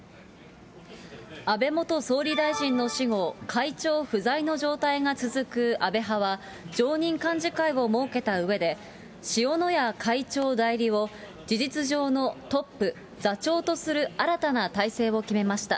安倍元総理大臣の死後、会長不在の状態が続く安倍派は、常任幹事会を設けたうえで、しおのや会長代理を事実上のトップ、座長とする新たな体制を決めました。